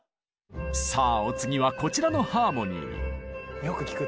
さあお次はこちらのハーモニー。